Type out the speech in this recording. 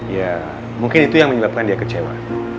ya mungkin itu yang menyebabkan dia kecewa